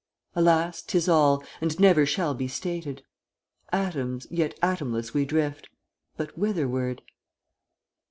Alas! 'tis all, and never shall be stated. Atoms, yet atomless we drift, But whitherward?